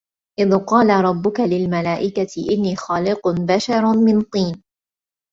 إِذ قالَ رَبُّكَ لِلمَلائِكَةِ إِنّي خالِقٌ بَشَرًا مِن طينٍ